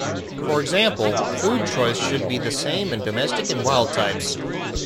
For example, food choice should be the same in domestic and wild types.